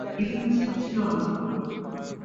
আমার কোন রিলেশনশীপ ছিল না।